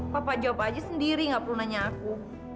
papa job aja sendiri gak perlu nanya aku